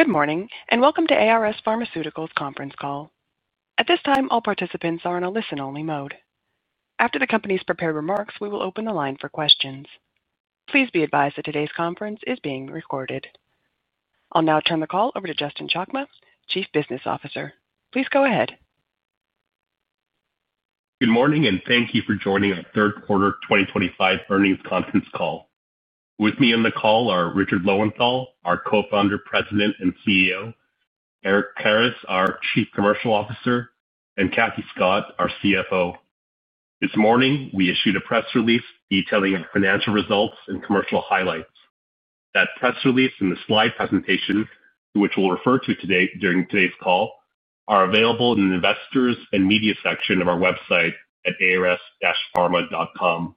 Good morning and welcome to ARS Pharmaceuticals conference call. At this time, all participants are in a listen-only mode. After the company's prepared remarks, we will open the line for questions. Please be advised that today's conference is being recorded. I'll now turn the call over to Justin Chakma, Chief Business Officer. Please go ahead. Good morning and thank you for joining our third quarter 2025 earnings conference call. With me on the call are Richard Lowenthal, our Co-founder, President, and CEO; Eric Karas, our Chief Commercial Officer; and Kathy Scott, our CFO. This morning, we issued a press release detailing our financial results and commercial highlights. That press release and the slide presentation, which we'll refer to today during today's call, are available in the investors' and media section of our website at ars-pharma.com.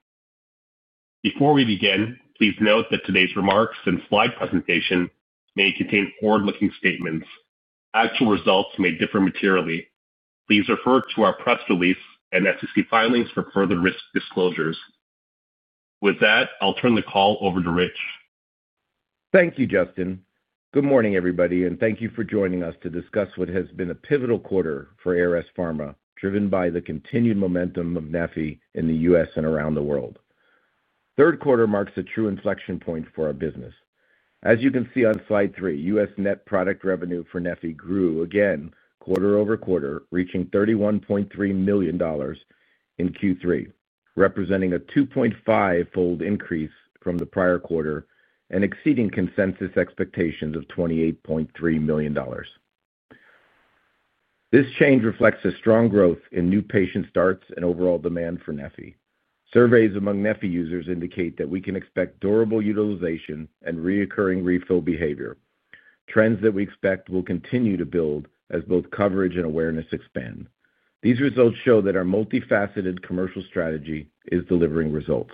Before we begin, please note that today's remarks and slide presentation may contain forward-looking statements. Actual results may differ materially. Please refer to our press release and SEC filings for further risk disclosures. With that, I'll turn the call over to Rich. Thank you, Justin. Good morning, everybody, and thank you for joining us to discuss what has been a pivotal quarter for ARS Pharmaceuticals, driven by the continued momentum of neffy in the U.S. and around the world. Third quarter marks a true inflection point for our business. As you can see on slide three, U.S. net product revenue for neffy grew again quarter over quarter, reaching $31.3 million in Q3, representing a 2.5-fold increase from the prior quarter and exceeding consensus expectations of $28.3 million. This change reflects a strong growth in new patient starts and overall demand for neffy. Surveys among neffy users indicate that we can expect durable utilization and reoccurring refill behavior, trends that we expect will continue to build as both coverage and awareness expand. These results show that our multifaceted commercial strategy is delivering results.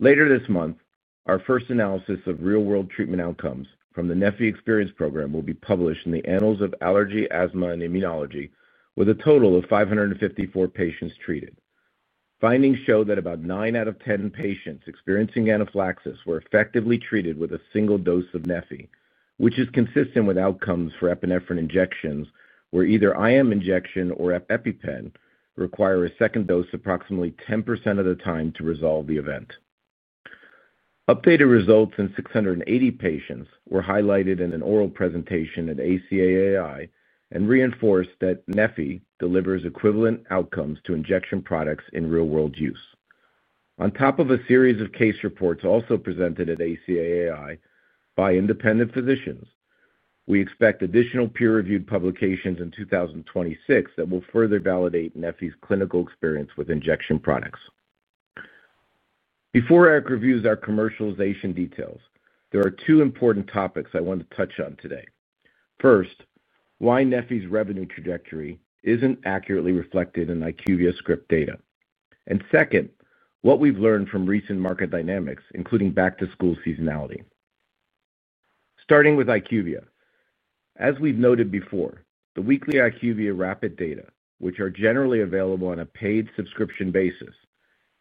Later this month, our first analysis of real-world treatment outcomes from the neffy Experience Program will be published in the Annals of Allergy, Asthma, and Immunology, with a total of 554 patients treated. Findings show that about 9 out of 10 patients experiencing anaphylaxis were effectively treated with a single dose of neffy, which is consistent with outcomes for epinephrine injections, where either IM injection or EpiPen require a second dose approximately 10% of the time to resolve the event. Updated results in 680 patients were highlighted in an oral presentation at ACAAI and reinforced that neffy delivers equivalent outcomes to injection products in real-world use. On top of a series of case reports also presented at ACAAI by independent physicians, we expect additional peer-reviewed publications in 2026 that will further validate neffy's clinical experience with injection products. Before Eric reviews our commercialization details, there are two important topics I want to touch on today. First, why neffy's revenue trajectory isn't accurately reflected in IQVIA script data. Second, what we've learned from recent market dynamics, including back-to-school seasonality. Starting with IQVIA, as we've noted before, the weekly IQVIA rapid data, which are generally available on a paid subscription basis,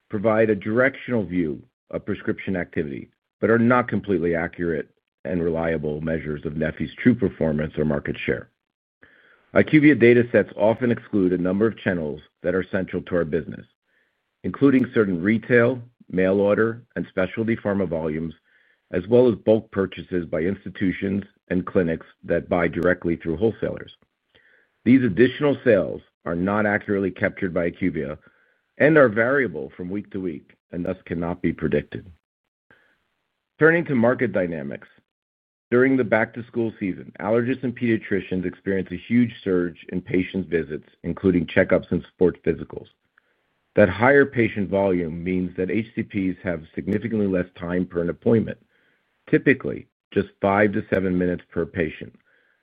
provide a directional view of prescription activity but are not completely accurate and reliable measures of neffy's true performance or market share. IQVIA data sets often exclude a number of channels that are central to our business, including certain retail, mail order, and specialty pharma volumes, as well as bulk purchases by institutions and clinics that buy directly through wholesalers. These additional sales are not accurately captured by IQVIA and are variable from week to week and thus cannot be predicted. Turning to market dynamics, during the back-to-school season, allergists and pediatricians experience a huge surge in patients' visits, including checkups and sports physicals. That higher patient volume means that HCPs have significantly less time per an appointment, typically just five to seven minutes per patient,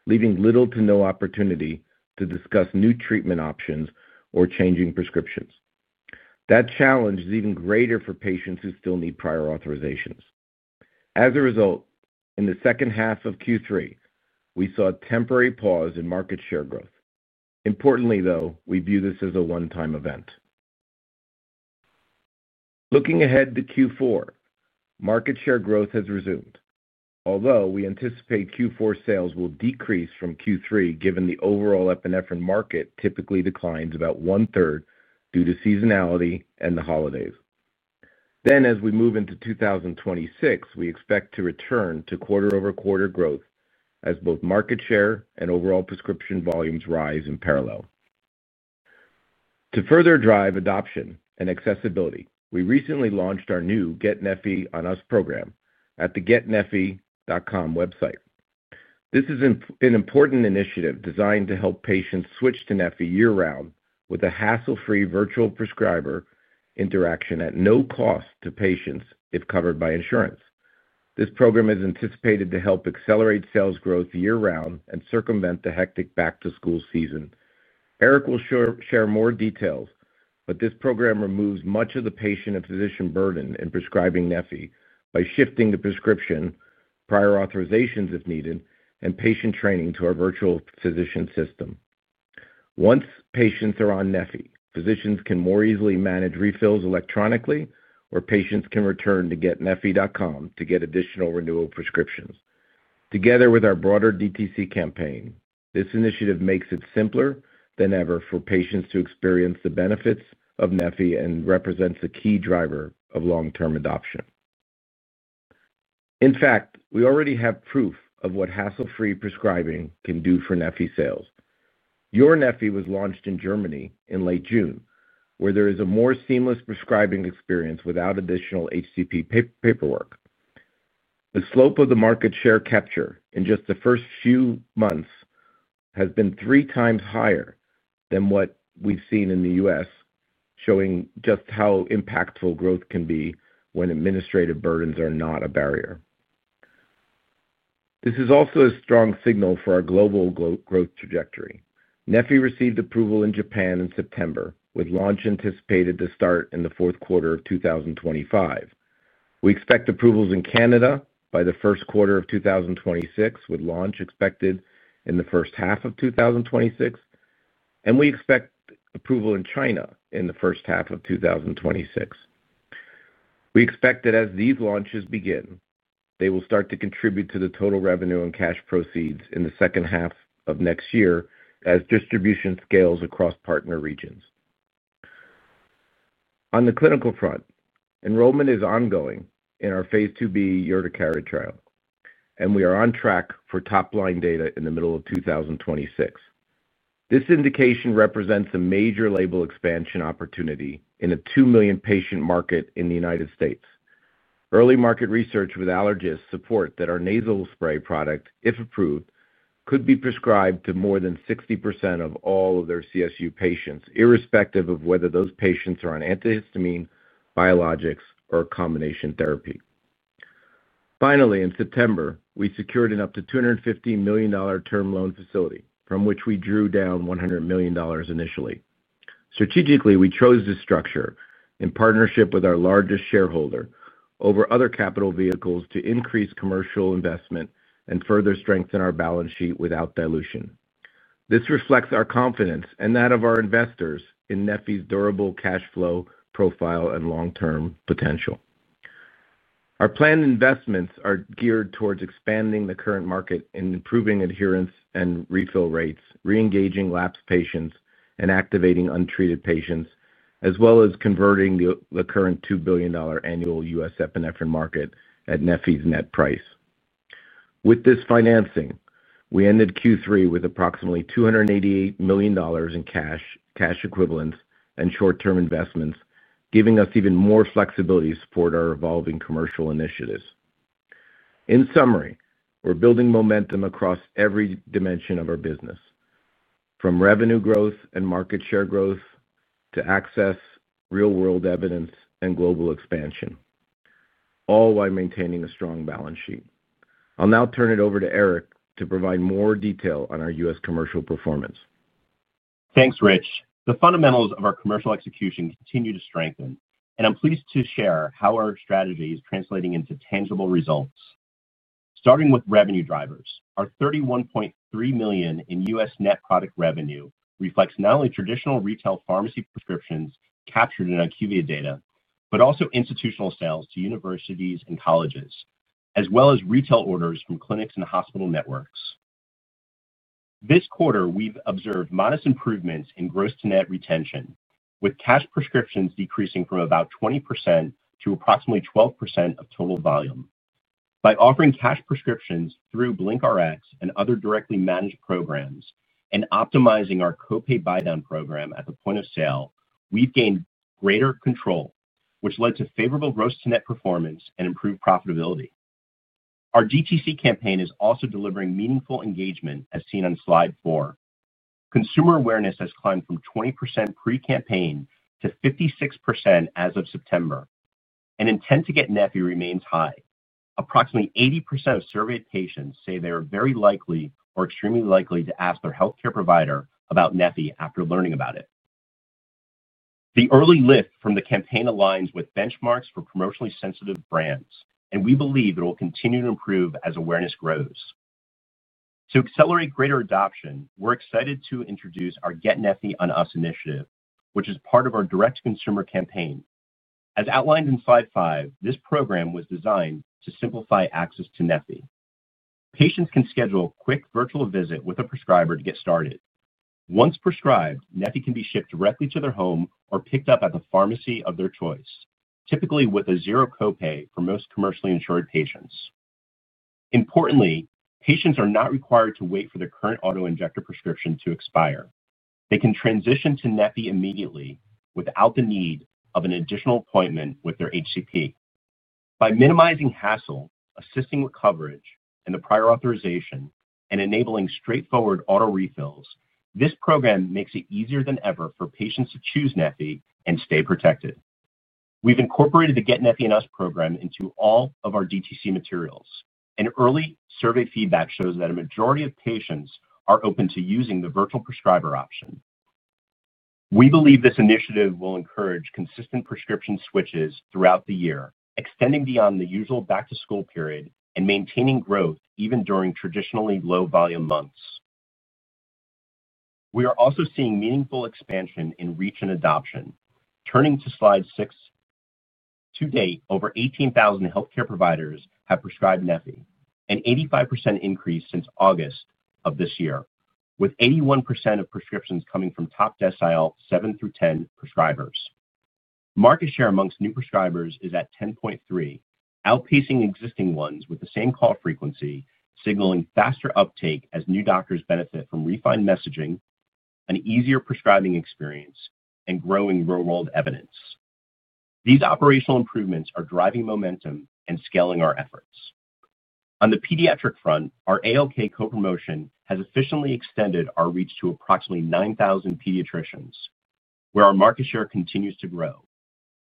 leaving little to no opportunity to discuss new treatment options or changing prescriptions. That challenge is even greater for patients who still need prior authorizations. As a result, in the second half of Q3, we saw a temporary pause in market share growth. Importantly, though, we view this as a one-time event. Looking ahead to Q4, market share growth has resumed, although we anticipate Q4 sales will decrease from Q3 given the overall epinephrine market typically declines about one-third due to seasonality and the holidays. As we move into 2026, we expect to return to quarter-over-quarter growth as both market share and overall prescription volumes rise in parallel. To further drive adoption and accessibility, we recently launched our new Get neffy on Us program at the getneffy.com website. This is an important initiative designed to help patients switch to neffy year-round with a hassle-free virtual prescriber interaction at no cost to patients if covered by insurance. This program is anticipated to help accelerate sales growth year-round and circumvent the hectic back-to-school season. Eric will share more details, but this program removes much of the patient and physician burden in prescribing neffy by shifting the prescription, prior authorizations if needed, and patient training to our virtual physician system. Once patients are on neffy, physicians can more easily manage refills electronically, or patients can return to getneffy.com to get additional renewal prescriptions. Together with our broader DTC campaign, this initiative makes it simpler than ever for patients to experience the benefits of neffy and represents a key driver of long-term adoption. In fact, we already have proof of what hassle-free prescribing can do for neffy sales. Neffy was launched in Germany in late June, where there is a more seamless prescribing experience without additional HCP paperwork. The slope of the market share capture in just the first few months has been three times higher than what we've seen in the U.S., showing just how impactful growth can be when administrative burdens are not a barrier. This is also a strong signal for our global growth trajectory. Neffy received approval in Japan in September, with launch anticipated to start in the fourth quarter of 2025. We expect approvals in Canada by the first quarter of 2026, with launch expected in the first half of 2026, and we expect approval in China in the first half of 2026. We expect that as these launches begin, they will start to contribute to the total revenue and cash proceeds in the second half of next year as distribution scales across partner regions. On the clinical front, enrollment is ongoing in our phase 2B Urticarid trial, and we are on track for top-line data in the middle of 2026. This indication represents a major label expansion opportunity in a 2 million patient market in the United States. Early market research with allergists supports that our nasal spray product, if approved, could be prescribed to more than 60% of all of their CSU patients, irrespective of whether those patients are on antihistamine, biologics, or a combination therapy. Finally, in September, we secured an up to $250 million term loan facility, from which we drew down $100 million initially. Strategically, we chose this structure in partnership with our largest shareholder over other capital vehicles to increase commercial investment and further strengthen our balance sheet without dilution. This reflects our confidence and that of our investors in neffy's durable cash flow profile and long-term potential. Our planned investments are geared towards expanding the current market and improving adherence and refill rates, reengaging lapsed patients and activating untreated patients, as well as converting the current $2 billion annual U.S. epinephrine market at neffy's net price. With this financing, we ended Q3 with approximately $288 million in cash equivalents and short-term investments, giving us even more flexibility to support our evolving commercial initiatives. In summary, we're building momentum across every dimension of our business, from revenue growth and market share growth to access, real-world evidence, and global expansion, all while maintaining a strong balance sheet. I'll now turn it over to Eric to provide more detail on our U.S. commercial performance. Thanks, Rich. The fundamentals of our commercial execution continue to strengthen, and I'm pleased to share how our strategy is translating into tangible results. Starting with revenue drivers, our $31.3 million in U.S. net product revenue reflects not only traditional retail pharmacy prescriptions captured in IQVIA data, but also institutional sales to universities and colleges, as well as retail orders from clinics and hospital networks. This quarter, we've observed modest improvements in gross-to-net retention, with cash prescriptions decreasing from about 20% to approximately 12% of total volume. By offering cash prescriptions through BlinkRx and other directly managed programs and optimizing our copay buy-down program at the point of sale, we've gained greater control, which led to favorable gross-to-net performance and improved profitability. Our DTC campaign is also delivering meaningful engagement, as seen on slide four. Consumer awareness has climbed from 20% pre-campaign to 56% as of September, and intent to get neffy remains high. Approximately 80% of surveyed patients say they are very likely or extremely likely to ask their healthcare provider about neffy after learning about it. The early lift from the campaign aligns with benchmarks for commercially sensitive brands, and we believe it will continue to improve as awareness grows. To accelerate greater adoption, we're excited to introduce our Get neffy on Us initiative, which is part of our direct-to-consumer campaign. As outlined in slide five, this program was designed to simplify access to neffy. Patients can schedule a quick virtual visit with a prescriber to get started. Once prescribed, neffy can be shipped directly to their home or picked up at the pharmacy of their choice, typically with a zero copay for most commercially insured patients. Importantly, patients are not required to wait for their current autoinjector prescription to expire. They can transition to neffy immediately without the need of an additional appointment with their HCP. By minimizing hassle, assisting with coverage and the prior authorization, and enabling straightforward auto refills, this program makes it easier than ever for patients to choose neffy and stay protected. We've incorporated the Get neffy on Us program into all of our DTC materials, and early survey feedback shows that a majority of patients are open to using the virtual prescriber option. We believe this initiative will encourage consistent prescription switches throughout the year, extending beyond the usual back-to-school period and maintaining growth even during traditionally low-volume months. We are also seeing meaningful expansion in reach and adoption. Turning to slide six, to date, over 18,000 healthcare providers have prescribed neffy, an 85% increase since August of this year, with 81% of prescriptions coming from top decile 7-10 prescribers. Market share amongst new prescribers is at 10.3%, outpacing existing ones with the same call frequency, signaling faster uptake as new doctors benefit from refined messaging, an easier prescribing experience, and growing real-world evidence. These operational improvements are driving momentum and scaling our efforts. On the pediatric front, our ALK co-promotion has efficiently extended our reach to approximately 9,000 pediatricians, where our market share continues to grow.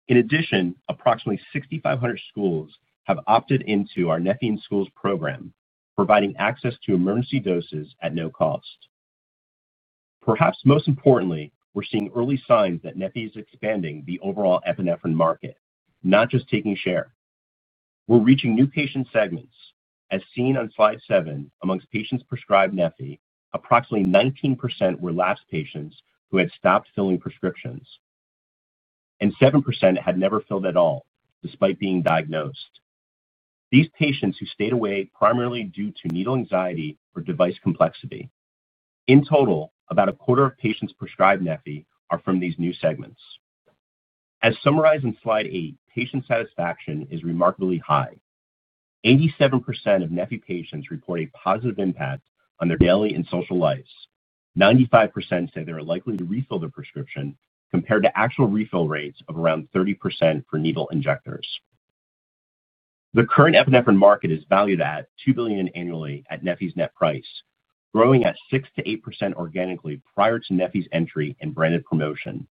In addition, approximately 6,500 schools have opted into our neffy in schools program, providing access to emergency doses at no cost. Perhaps most importantly, we're seeing early signs that neffy is expanding the overall epinephrine market, not just taking share. We're reaching new patient segments. As seen on slide seven, amongst patients prescribed neffy, approximately 19% were lapsed patients who had stopped filling prescriptions, and 7% had never filled at all despite being diagnosed. These patients who stayed away primarily due to needle anxiety or device complexity. In total, about a quarter of patients prescribed neffy are from these new segments. As summarized in slide eight, patient satisfaction is remarkably high. 87% of neffy patients report a positive impact on their daily and social lives. 95% say they're likely to refill the prescription compared to actual refill rates of around 30% for needle injectors. The current epinephrine market is valued at $2 billion annually at neffy's net price, growing at 6-8% organically prior to neffy's entry and branded promotion.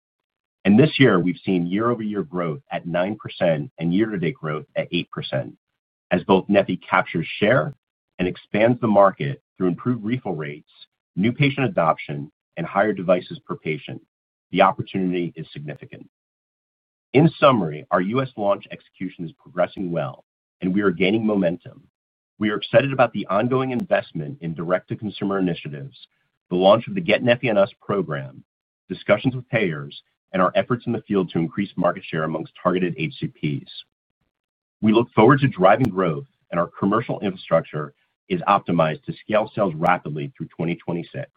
This year, we've seen year-over-year growth at 9% and year-to-date growth at 8%. As both neffy captures share and expands the market through improved refill rates, new patient adoption, and higher devices per patient, the opportunity is significant. In summary, our U.S. launch execution is progressing well, and we are gaining momentum. We are excited about the ongoing investment in direct-to-consumer initiatives, the launch of the Get neffy on Us program, discussions with payers, and our efforts in the field to increase market share amongst targeted HCPs. We look forward to driving growth, and our commercial infrastructure is optimized to scale sales rapidly through 2026.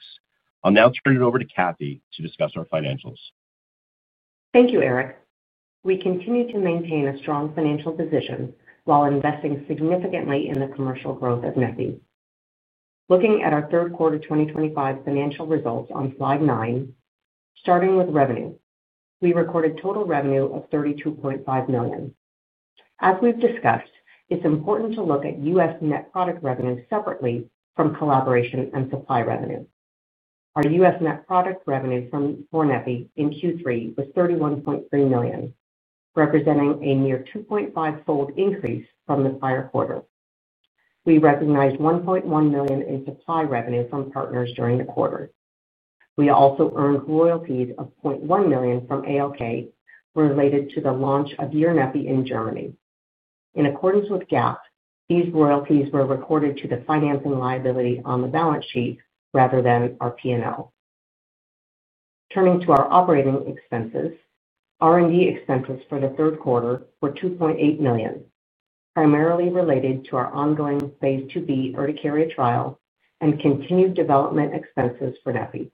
I'll now turn it over to Kathy to discuss our financials. Thank you, Eric. We continue to maintain a strong financial position while investing significantly in the commercial growth of neffy. Looking at our third quarter 2025 financial results on slide nine, starting with revenue, we recorded total revenue of $32.5 million. As we've discussed, it's important to look at U.S. net product revenue separately from collaboration and supply revenue. Our U.S. net product revenue from neffy in Q3 was $31.3 million, representing a near 2.5-fold increase from the prior quarter. We recognized $1.1 million in supply revenue from partners during the quarter. We also earned royalties of $0.1 million from ALK related to the launch of neffy in Germany. In accordance with GAAP, these royalties were recorded to the financing liability on the balance sheet rather than our P&L. Turning to our operating expenses, R&D expenses for the third quarter were $2.8 million, primarily related to our ongoing phase 2B Urticarid trial and continued development expenses for neffy.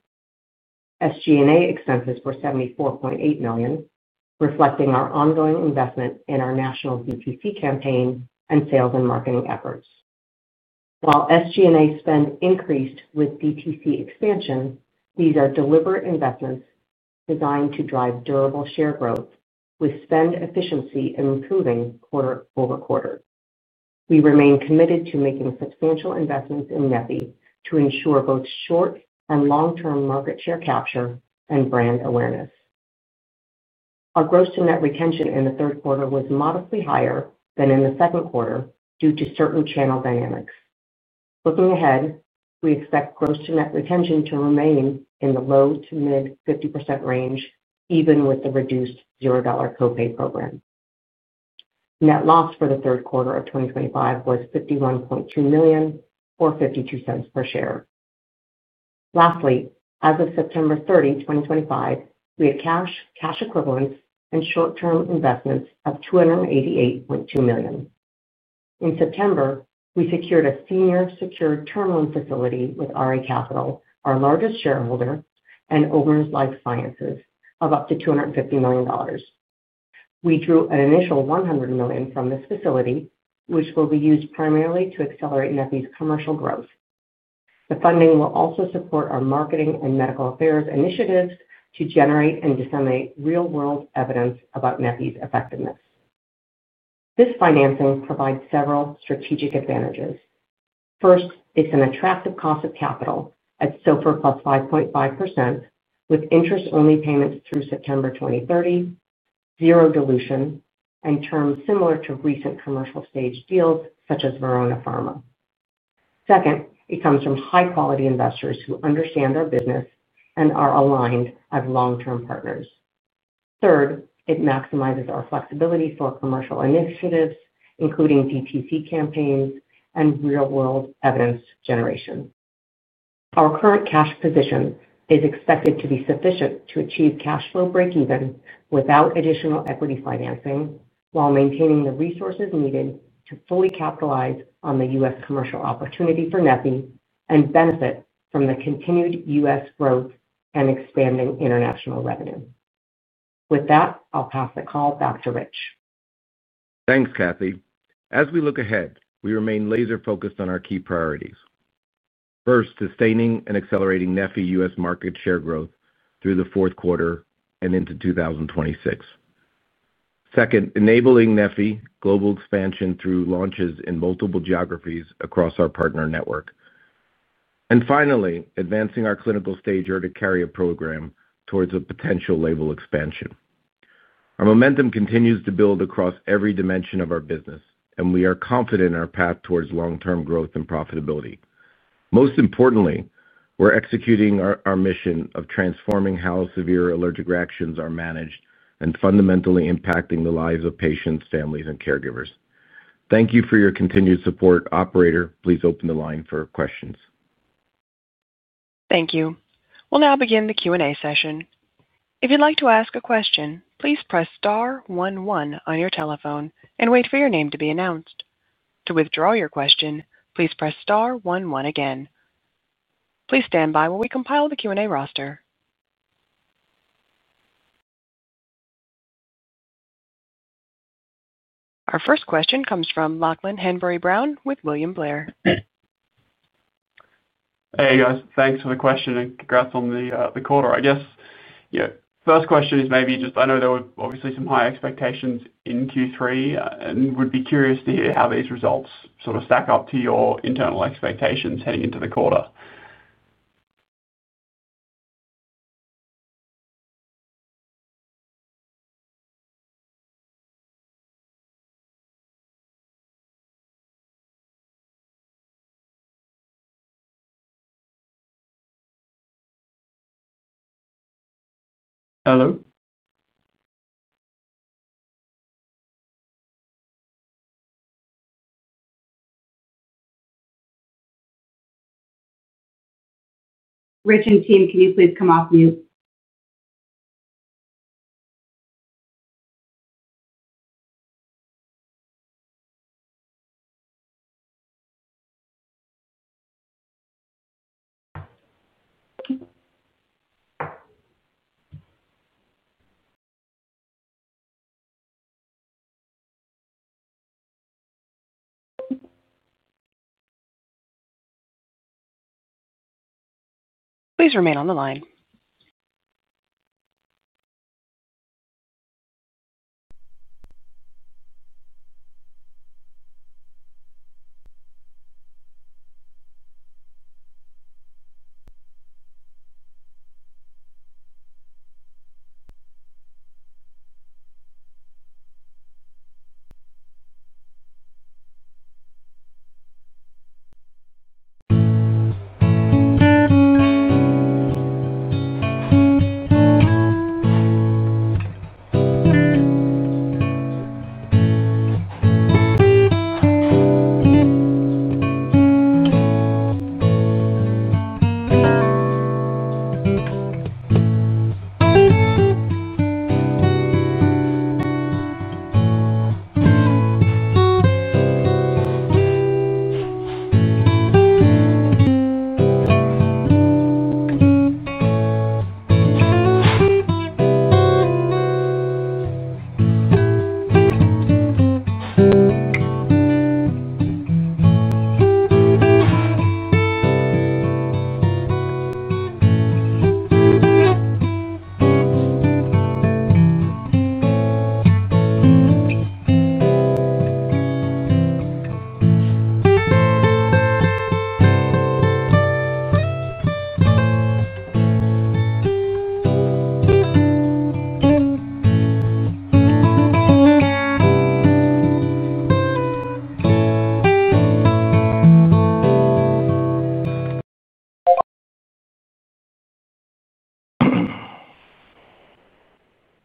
SG&A expenses were $74.8 million, reflecting our ongoing investment in our national DTC campaign and sales and marketing efforts. While SG&A spend increased with DTC expansion, these are deliberate investments designed to drive durable share growth with spend efficiency improving quarter over quarter. We remain committed to making substantial investments in neffy to ensure both short and long-term market share capture and brand awareness. Our gross-to-net retention in the third quarter was modestly higher than in the second quarter due to certain channel dynamics. Looking ahead, we expect gross-to-net retention to remain in the low to mid 50% range, even with the reduced $0 copay program. Net loss for the third quarter of 2025 was $51.2 million or $0.52 per share. Lastly, as of September 30, 2025, we had cash, cash equivalents, and short-term investments of $288.2 million. In September, we secured a senior secured term loan facility with RA Capital, our largest shareholder, and Ono Pharmaceutical of up to $250 million. We drew an initial $100 million from this facility, which will be used primarily to accelerate neffy's commercial growth. The funding will also support our marketing and medical affairs initiatives to generate and disseminate real-world evidence about neffy's effectiveness. This financing provides several strategic advantages. First, it's an attractive cost of capital at SOFR plus 5.5%, with interest-only payments through September 2030, zero dilution, and terms similar to recent commercial stage deals such as Verona Pharma. Second, it comes from high-quality investors who understand our business and are aligned as long-term partners. Third, it maximizes our flexibility for commercial initiatives, including DTC campaigns and real-world evidence generation. Our current cash position is expected to be sufficient to achieve cash flow breakeven without additional equity financing, while maintaining the resources needed to fully capitalize on the U.S. commercial opportunity for neffy and benefit from the continued U.S. growth and expanding international revenue. With that, I'll pass the call back to Rich. Thanks, Kathy. As we look ahead, we remain laser-focused on our key priorities. First, sustaining and accelerating neffy U.S. market share growth through the fourth quarter and into 2026. Second, enabling neffy global expansion through launches in multiple geographies across our partner network. And finally, advancing our clinical stage Urticarid program towards a potential label expansion. Our momentum continues to build across every dimension of our business, and we are confident in our path towards long-term growth and profitability. Most importantly, we're executing our mission of transforming how severe allergic reactions are managed and fundamentally impacting the lives of patients, families, and caregivers. Thank you for your continued support, operator. Please open the line for questions. Thank you. We'll now begin the Q&A session. If you'd like to ask a question, please press star 11 on your telephone and wait for your name to be announced. To withdraw your question, please press star one one again. Please stand by while we compile the Q&A roster. Our first question comes from Lachlan Hanbury-Brown with William Blair. Hey, guys. Thanks for the question, and congrats on the quarter. I guess, yeah, first question is maybe just I know there were obviously some high expectations in Q3, and would be curious to hear how these results sort of stack up to your internal expectations heading into the quarter. Hello. Rich and team, can you please come off mute? Please remain on the line.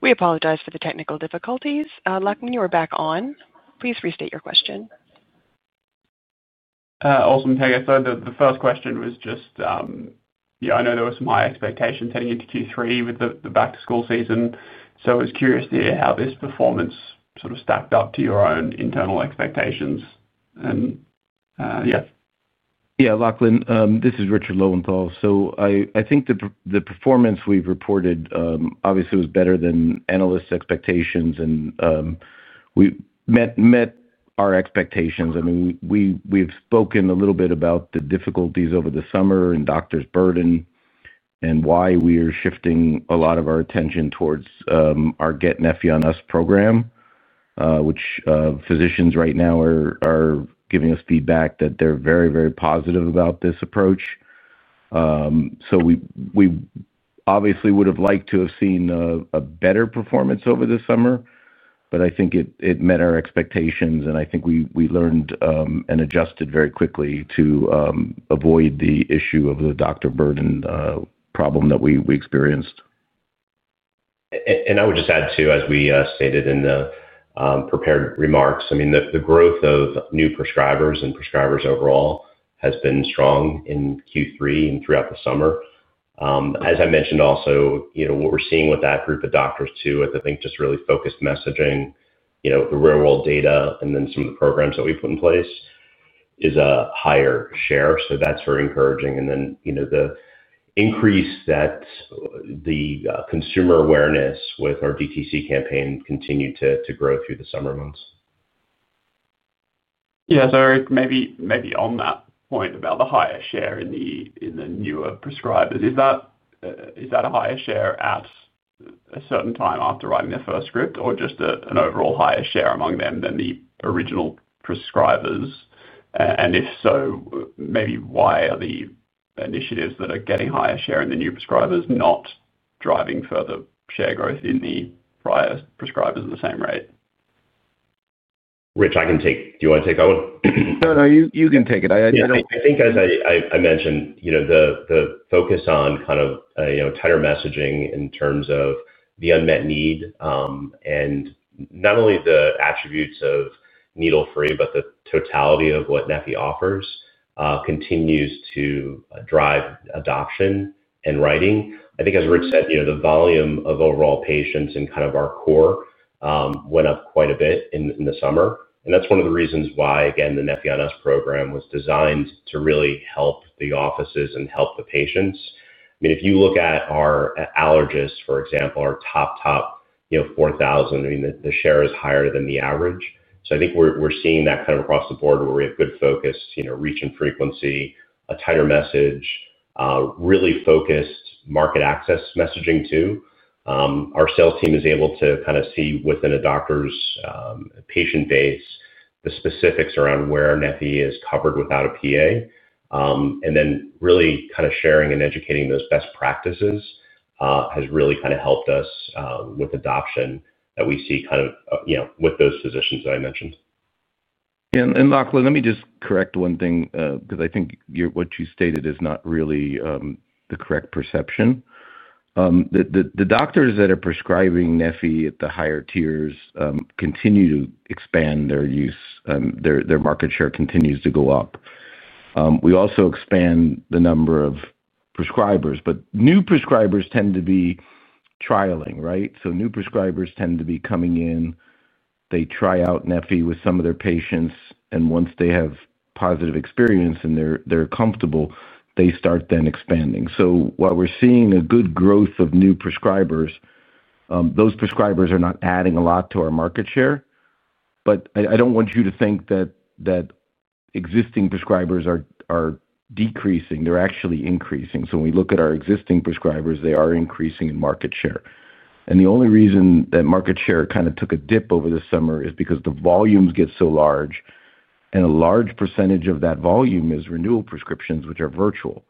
We apologize for the technical difficulties. Lachlan, you are back on. Please restate your question. Awesome. I thought the first question was just, yeah, I know there were some high expectations heading into Q3 with the back-to-school season. I was curious to hear how this performance sort of stacked up to your own internal expectations. Yeah. Yeah, Lachlan, this is Richard Lowenthal. I think the performance we've reported obviously was better than analysts' expectations, and we met our expectations. I mean, we've spoken a little bit about the difficulties over the summer and doctors' burden and why we are shifting a lot of our attention towards our Get neffy on Us program, which physicians right now are giving us feedback that they're very, very positive about this approach. We obviously would have liked to have seen a better performance over the summer, but I think it met our expectations, and I think we learned and adjusted very quickly to avoid the issue of the doctor burden problem that we experienced. I would just add too, as we stated in the prepared remarks, I mean, the growth of new prescribers and prescribers overall has been strong in Q3 and throughout the summer. As I mentioned also, what we're seeing with that group of doctors too, with, I think, just really focused messaging, the real-world data, and then some of the programs that we put in place is a higher share. That is very encouraging. The increase that the consumer awareness with our DTC campaign continued to grow through the summer months. Yeah, so maybe on that point about the higher share in the newer prescribers, is that a higher share at a certain time after writing their first script or just an overall higher share among them than the original prescribers? If so, maybe why are the initiatives that are getting higher share in the new prescribers not driving further share growth in the prior prescribers at the same rate? Rich, I can take—do you want to take that one? No, no, you can take it. I think, as I mentioned, the focus on kind of tighter messaging in terms of the unmet need and not only the attributes of needle-free, but the totality of what neffy offers continues to drive adoption and writing. I think, as Rich said, the volume of overall patients and kind of our core went up quite a bit in the summer. That is one of the reasons why, again, the neffy on Us program was designed to really help the offices and help the patients. I mean, if you look at our allergists, for example, our top, top 4,000, I mean, the share is higher than the average. I think we are seeing that kind of across the board where we have good focus, reach and frequency, a tighter message, really focused market access messaging too. Our sales team is able to kind of see within a doctor's patient base the specifics around where neffy is covered without a PA. Really kind of sharing and educating those best practices has really kind of helped us with adoption that we see kind of with those physicians that I mentioned. Lachlan, let me just correct one thing because I think what you stated is not really the correct perception. The doctors that are prescribing neffy at the higher tiers continue to expand their use. Their market share continues to go up. We also expand the number of prescribers, but new prescribers tend to be trialing, right? New prescribers tend to be coming in. They try out neffy with some of their patients, and once they have positive experience and they're comfortable, they start then expanding. While we're seeing a good growth of new prescribers, those prescribers are not adding a lot to our market share. I do not want you to think that existing prescribers are decreasing. They're actually increasing. When we look at our existing prescribers, they are increasing in market share. The only reason that market share kind of took a dip over the summer is because the volumes get so large, and a large percentage of that volume is renewal prescriptions, which are virtual.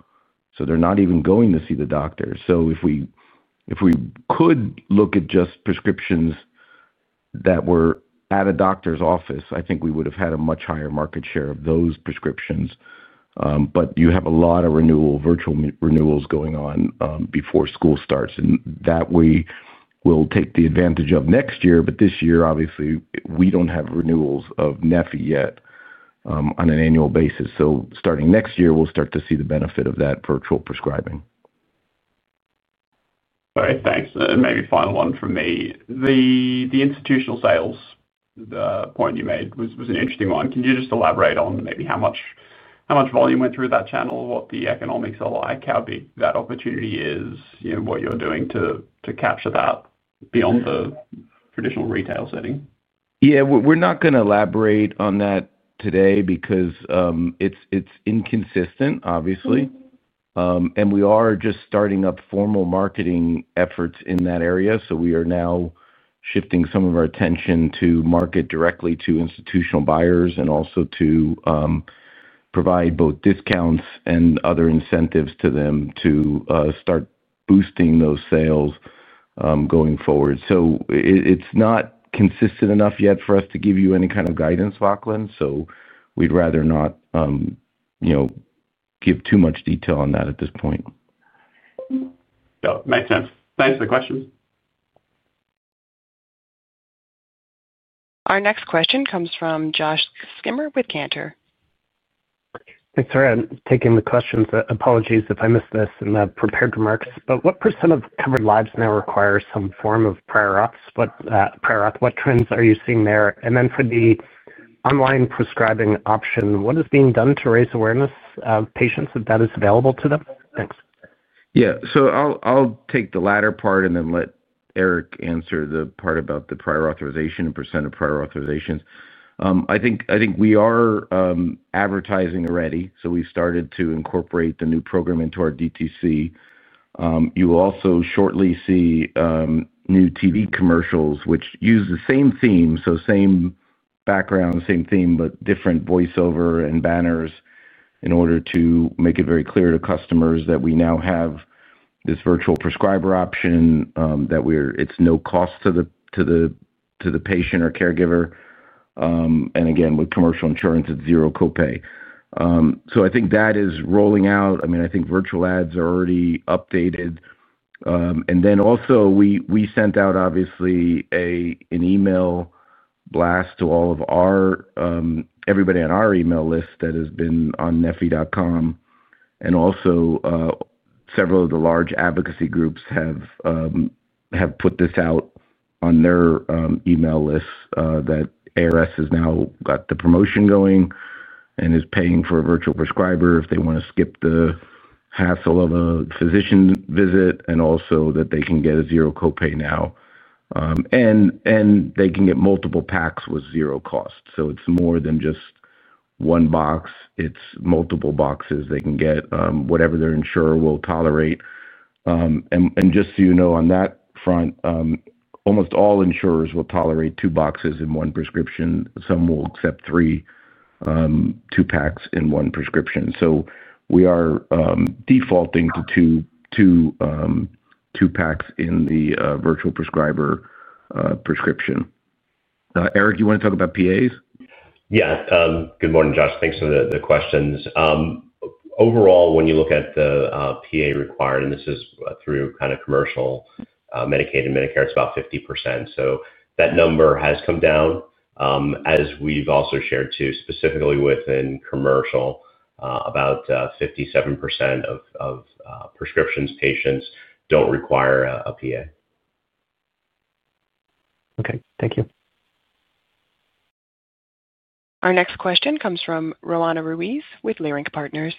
They are not even going to see the doctor. If we could look at just prescriptions that were at a doctor's office, I think we would have had a much higher market share of those prescriptions. You have a lot of virtual renewals going on before school starts. We will take advantage of that next year. This year, obviously, we do not have renewals of neffy yet on an annual basis. Starting next year, we will start to see the benefit of that virtual prescribing. All right. Thanks. Maybe final one from me. The institutional sales point you made was an interesting one. Can you just elaborate on maybe how much volume went through that channel, what the economics are like, how big that opportunity is, what you're doing to capture that beyond the traditional retail setting? Yeah. We're not going to elaborate on that today because it's inconsistent, obviously. We are just starting up formal marketing efforts in that area. We are now shifting some of our attention to market directly to institutional buyers and also to provide both discounts and other incentives to them to start boosting those sales going forward. It's not consistent enough yet for us to give you any kind of guidance, Lachlan. We'd rather not give too much detail on that at this point. Yeah. Makes sense. Thanks for the questions. Our next question comes from Josh Schimmer with Cantor. Thanks, Ryan. Taking the questions. Apologies if I missed this in the prepared remarks. What % of covered lives now require some form of prior auth? What trends are you seeing there? For the online prescribing option, what is being done to raise awareness of patients that that is available to them? Thanks. Yeah. I'll take the latter part and then let Eric answer the part about the prior authorization and % of prior authorizations. I think we are advertising already. We've started to incorporate the new program into our DTC. You will also shortly see new TV commercials, which use the same theme, same background, same theme, but different voiceover and banners in order to make it very clear to customers that we now have this virtual prescriber option, that it's no cost to the patient or caregiver. Again, with commercial insurance, it's zero copay. I think that is rolling out. I mean, I think virtual ads are already updated. Also, we sent out, obviously, an email blast to everybody on our email list that has been on neffy.com. Several of the large advocacy groups have put this out on their email list that ARS has now got the promotion going and is paying for a virtual prescriber if they want to skip the hassle of a physician visit and also that they can get a zero copay now. They can get multiple packs with zero cost. It is more than just one box. It is multiple boxes they can get, whatever their insurer will tolerate. Just so you know, on that front, almost all insurers will tolerate two boxes in one prescription. Some will accept two packs in one prescription. We are defaulting to two packs in the virtual prescriber prescription. Eric, you want to talk about PAs? Yeah. Good morning, Josh. Thanks for the questions. Overall, when you look at the PA required, and this is through kind of commercial, Medicaid, and Medicare, it's about 50%. That number has come down as we've also shared too. Specifically within commercial, about 57% of prescriptions, patients don't require a PA. Okay. Thank you. Our next question comes from Roanna Ruiz with Lyrinx Partners.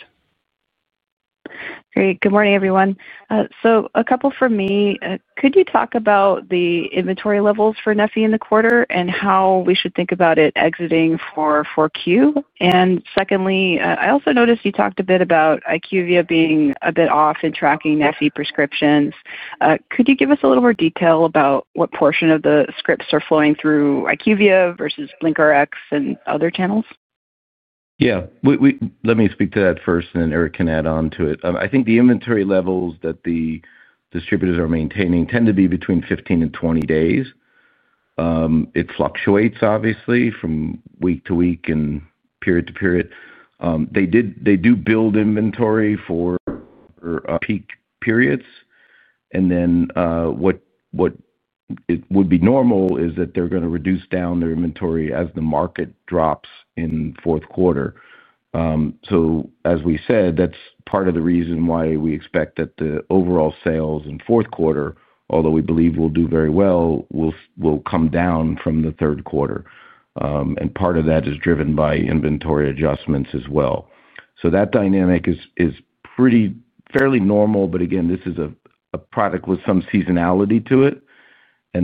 Great. Good morning, everyone. A couple from me. Could you talk about the inventory levels for neffy in the quarter and how we should think about it exiting for Q? Secondly, I also noticed you talked a bit about IQVIA being a bit off in tracking neffy prescriptions. Could you give us a little more detail about what portion of the scripts are flowing through IQVIA versus LinkRx and other channels? Yeah. Let me speak to that first, and then Eric can add on to it. I think the inventory levels that the distributors are maintaining tend to be between 15-20 days. It fluctuates, obviously, from week to week and period to period. They do build inventory for peak periods. What would be normal is that they're going to reduce down their inventory as the market drops in fourth quarter. As we said, that's part of the reason why we expect that the overall sales in fourth quarter, although we believe we'll do very well, will come down from the third quarter. Part of that is driven by inventory adjustments as well. That dynamic is fairly normal, but again, this is a product with some seasonality to it.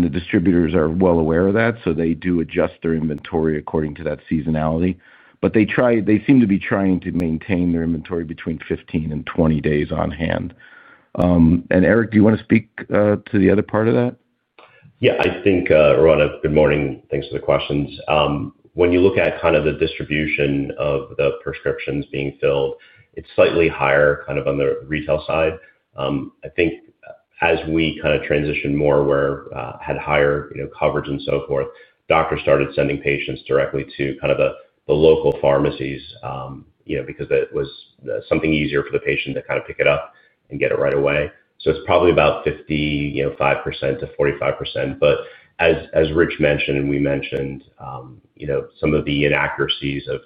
The distributors are well aware of that. They do adjust their inventory according to that seasonality. They seem to be trying to maintain their inventory between 15 and 20 days on hand. Eric, do you want to speak to the other part of that? Yeah. I think, Roanna, good morning. Thanks for the questions. When you look at kind of the distribution of the prescriptions being filled, it's slightly higher kind of on the retail side. I think as we kind of transitioned more where we had higher coverage and so forth, doctors started sending patients directly to kind of the local pharmacies because it was something easier for the patient to kind of pick it up and get it right away. It's probably about 55% to 45%. As Rich mentioned, and we mentioned, some of the inaccuracies of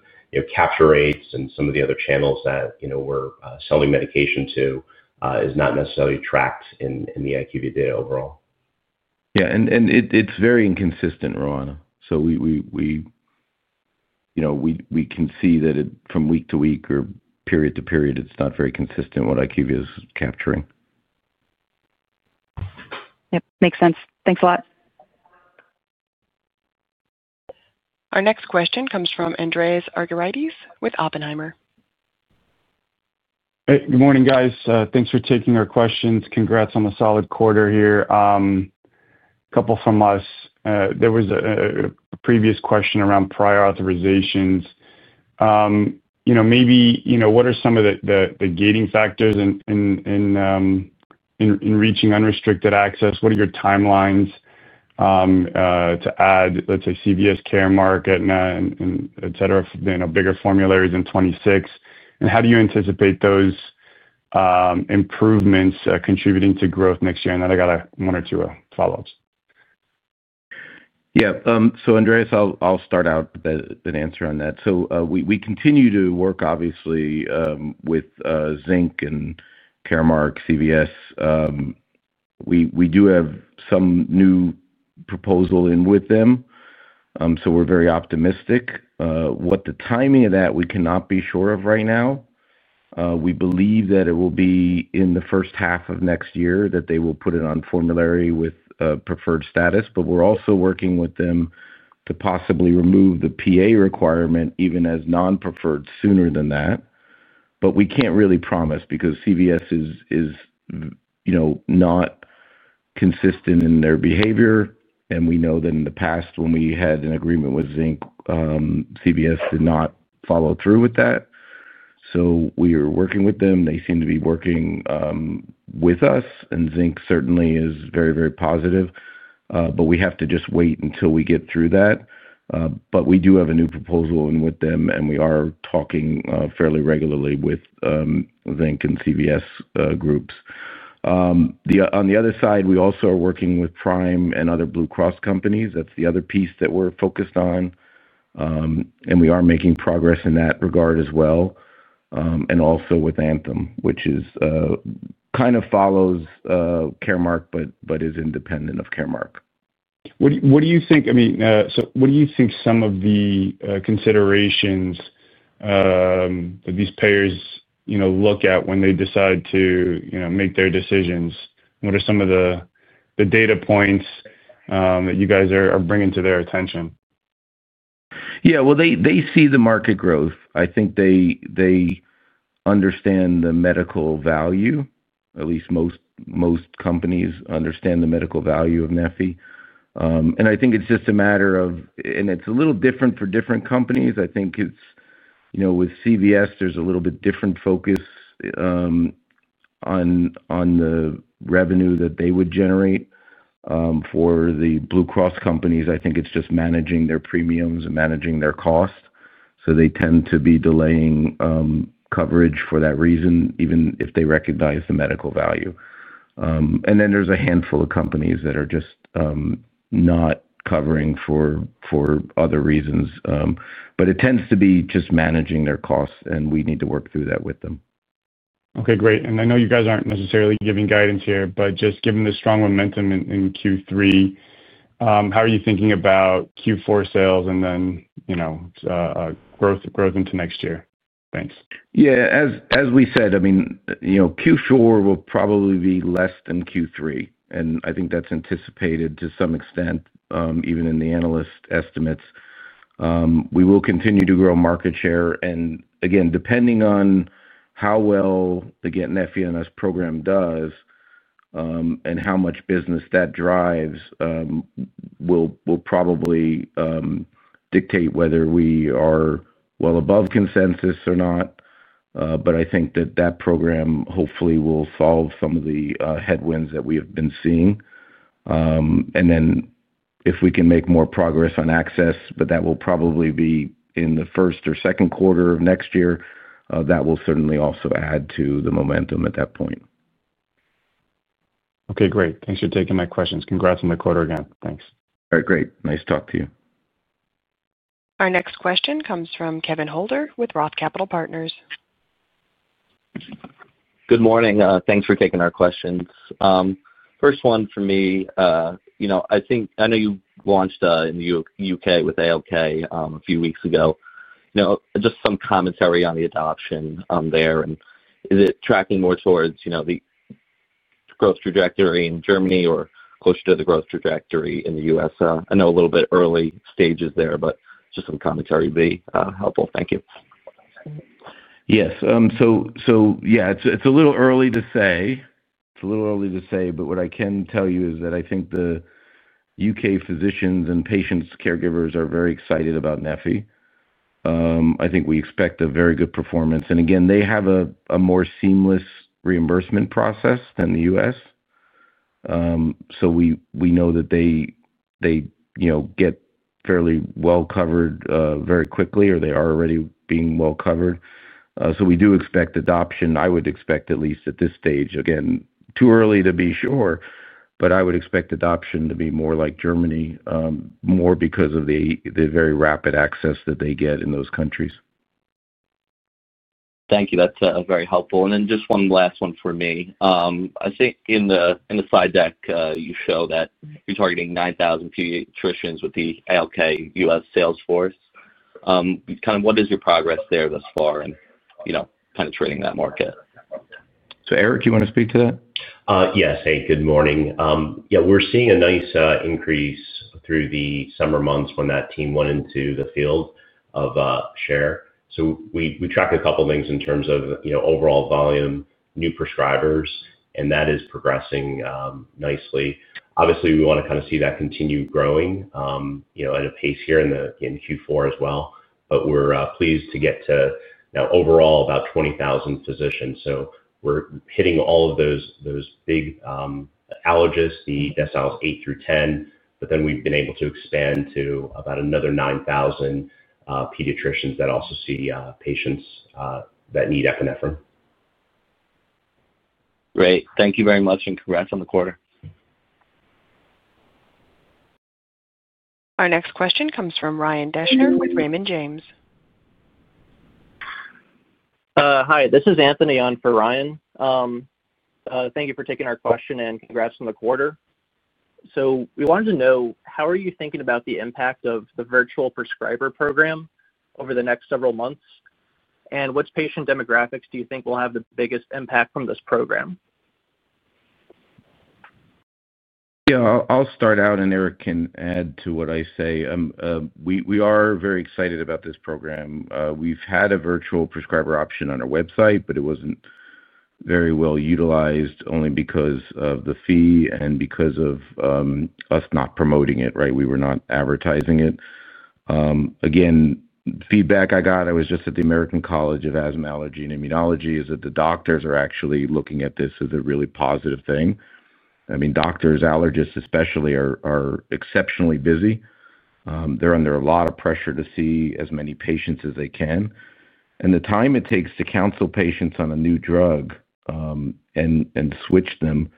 capture rates and some of the other channels that we're selling medication to is not necessarily tracked in the IQVIA data overall. Yeah. It's very inconsistent, Roanna. We can see that from week to week or period to period, it's not very consistent what IQVIA is capturing. Yep. Makes sense. Thanks a lot. Our next question comes from Andreas Argyrides with Oppenheimer. Hey, good morning, guys. Thanks for taking our questions. Congrats on the solid quarter here. A couple from us. There was a previous question around prior authorizations. Maybe what are some of the gating factors in reaching unrestricted access? What are your timelines to add, let's say, CVS Caremark, etc., being a bigger formulary than 26? How do you anticipate those improvements contributing to growth next year? I got one or two follow-ups. Yeah. So Andreas, I'll start out with an answer on that. We continue to work, obviously, with CVS Caremark. We do have some new proposal in with them. We are very optimistic. What the timing of that is, we cannot be sure of right now. We believe that it will be in the first half of next year that they will put it on formulary with preferred status. We are also working with them to possibly remove the PA requirement even as non-preferred sooner than that. We cannot really promise because CVS is not consistent in their behavior. We know that in the past, when we had an agreement with CVS, they did not follow through with that. We are working with them. They seem to be working with us. CVS Caremark certainly is very, very positive. We have to just wait until we get through that. We do have a new proposal in with them, and we are talking fairly regularly with Zinc and CVS groups. On the other side, we also are working with Prime and other Blue Cross companies. That is the other piece that we are focused on. We are making progress in that regard as well. Also with Anthem, which kind of follows Caremark but is independent of Caremark. What do you think? I mean, what do you think some of the considerations that these payers look at when they decide to make their decisions? What are some of the data points that you guys are bringing to their attention? Yeah. They see the market growth. I think they understand the medical value. At least most companies understand the medical value of neffy. I think it's just a matter of, and it's a little different for different companies. I think with CVS, there's a little bit different focus on the revenue that they would generate. For the Blue Cross companies, I think it's just managing their premiums and managing their cost. They tend to be delaying coverage for that reason, even if they recognize the medical value. There is a handful of companies that are just not covering for other reasons. It tends to be just managing their costs, and we need to work through that with them. Okay. Great. I know you guys aren't necessarily giving guidance here, but just given the strong momentum in Q3, how are you thinking about Q4 sales and then growth into next year? Thanks. Yeah. As we said, I mean, Q4 will probably be less than Q3. I think that's anticipated to some extent, even in the analyst estimates. We will continue to grow market share. Again, depending on how well, again, neffy and our program does and how much business that drives will probably dictate whether we are well above consensus or not. I think that that program, hopefully, will solve some of the headwinds that we have been seeing. If we can make more progress on access, but that will probably be in the first or second quarter of next year, that will certainly also add to the momentum at that point. Okay. Great. Thanks for taking my questions. Congrats on the quarter again. Thanks. All right. Great. Nice to talk to you. Our next question comes from Kevin Holder with Roth Capital Partners. Good morning. Thanks for taking our questions. First one for me, I know you launched in the U.K. with ALK a few weeks ago. Just some commentary on the adoption there. Is it tracking more towards the growth trajectory in Germany or closer to the growth trajectory in the U.S.? I know a little bit early stages there, but just some commentary would be helpful. Thank you. Yes. Yeah, it's a little early to say. It's a little early to say, but what I can tell you is that I think the U.K. physicians and patients' caregivers are very excited about neffy. I think we expect a very good performance. Again, they have a more seamless reimbursement process than the U.S. We know that they get fairly well covered very quickly, or they are already being well covered. We do expect adoption. I would expect, at least at this stage, again, too early to be sure, but I would expect adoption to be more like Germany, more because of the very rapid access that they get in those countries. Thank you. That's very helpful. Then just one last one for me. I think in the slide deck, you show that you're targeting 9,000 pediatricians with the ALK U.S. Salesforce. Kind of what is your progress there thus far in kind of trading that market? Eric, do you want to speak to that? Yes. Hey, good morning. Yeah. We're seeing a nice increase through the summer months when that team went into the field of share. So we tracked a couple of things in terms of overall volume, new prescribers, and that is progressing nicely. Obviously, we want to kind of see that continue growing at a pace here in Q4 as well. We are pleased to get to overall about 20,000 physicians. We are hitting all of those big allergists, the SLs 8-10, but then we have been able to expand to about another 9,000 pediatricians that also see patients that need epinephrine. Great. Thank you very much, and congrats on the quarter. Our next question comes from Ryan Deschner with Raymond James. Hi. This is Anthony on for Ryan. Thank you for taking our question and congrats on the quarter. We wanted to know, how are you thinking about the impact of the virtual prescriber program over the next several months? What patient demographics do you think will have the biggest impact from this program? Yeah. I'll start out, and Eric can add to what I say. We are very excited about this program. We've had a virtual prescriber option on our website, but it wasn't very well utilized only because of the fee and because of us not promoting it, right? We were not advertising it. Again, the feedback I got, I was just at the American College of Asthma Allergy and Immunology, is that the doctors are actually looking at this as a really positive thing. I mean, doctors, allergists especially, are exceptionally busy. They're under a lot of pressure to see as many patients as they can. The time it takes to counsel patients on a new drug and switch them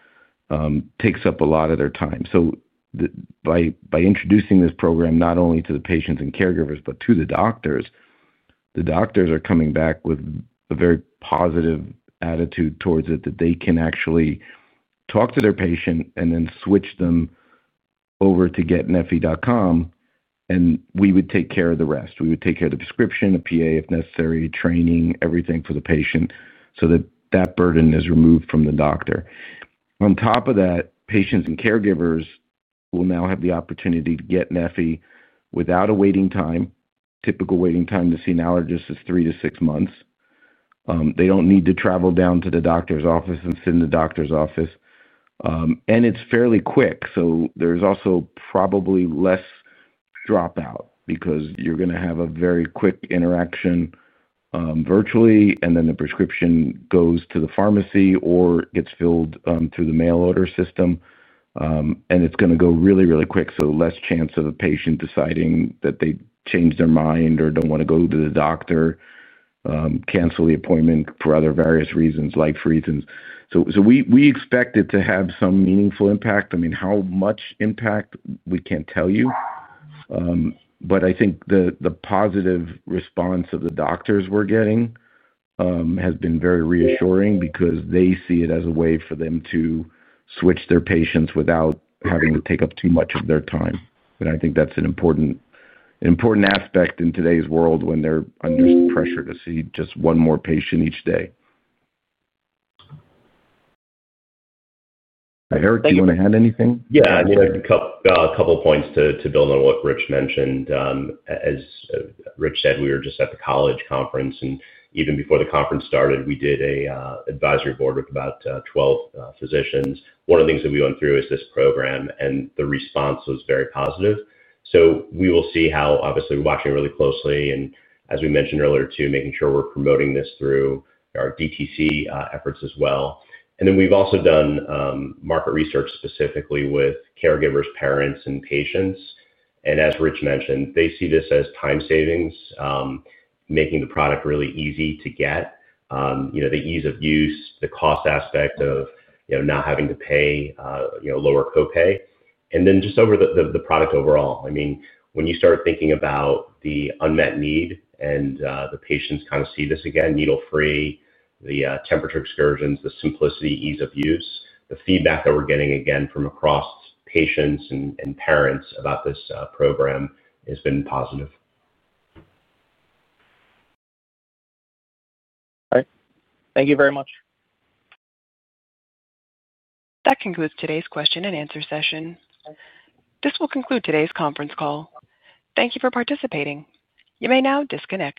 takes up a lot of their time. By introducing this program not only to the patients and caregivers, but to the doctors, the doctors are coming back with a very positive attitude towards it that they can actually talk to their patient and then switch them over to getneffy.com, and we would take care of the rest. We would take care of the prescription, a PA if necessary, training, everything for the patient so that that burden is removed from the doctor. On top of that, patients and caregivers will now have the opportunity to get neffy without a waiting time. Typical waiting time to see an allergist is three to six months. They do not need to travel down to the doctor's office and sit in the doctor's office. It is fairly quick. There's also probably less dropout because you're going to have a very quick interaction virtually, and then the prescription goes to the pharmacy or gets filled through the mail order system. It's going to go really, really quick. Less chance of a patient deciding that they change their mind or do not want to go to the doctor, cancel the appointment for other various reasons, life reasons. We expect it to have some meaningful impact. I mean, how much impact, we can't tell you. I think the positive response of the doctors we're getting has been very reassuring because they see it as a way for them to switch their patients without having to take up too much of their time. I think that's an important aspect in today's world when they're under pressure to see just one more patient each day. Eric, do you want to add anything? Yeah. I mean, a couple of points to build on what Rich mentioned. As Rich said, we were just at the college conference. Even before the conference started, we did an advisory board with about 12 physicians. One of the things that we went through is this program, and the response was very positive. We will see how, obviously, we're watching really closely. As we mentioned earlier, too, making sure we're promoting this through our DTC efforts as well. We've also done market research specifically with caregivers, parents, and patients. As Rich mentioned, they see this as time savings, making the product really easy to get, the ease of use, the cost aspect of not having to pay lower copay. Just over the product overall, I mean, when you start thinking about the unmet need and the patients kind of see this again, needle-free, the temperature excursions, the simplicity, ease of use, the feedback that we're getting again from across patients and parents about this program has been positive. All right. Thank you very much. That concludes today's question and answer session. This will conclude today's conference call. Thank you for participating. You may now disconnect.